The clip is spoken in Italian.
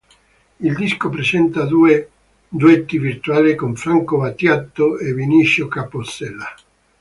Il disco presenta due duetti virtuali con Franco Battiato e Vinicio Capossela.